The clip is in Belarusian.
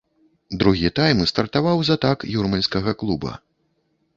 Другі тайм стартаваў з атак юрмальскага клуба.